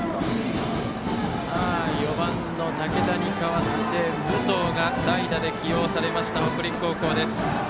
４番、竹田に代わって武藤が代打で起用されました、北陸高校。